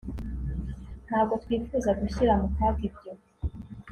ntabwo twifuza gushyira mu kaga ibyo